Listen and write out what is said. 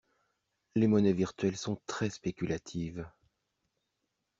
Les monnaies virtuelles sont très spéculatives.